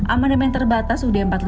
amandemen terbatas ud empat puluh lima